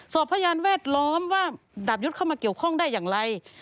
พยานแวดล้อมว่าดาบยุทธ์เข้ามาเกี่ยวข้องได้อย่างไร